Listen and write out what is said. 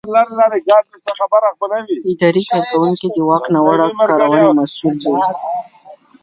اداري کارکوونکی د واک ناوړه کارونې مسؤل دی.